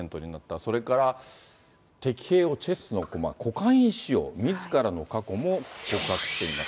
それから敵兵をチェスの駒、コカイン使用、みずからの過去も告白しています。